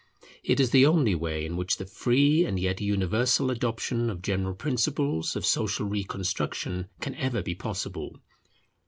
It is the only way in which the free and yet universal adoption of general principles of social reconstruction can ever be possible.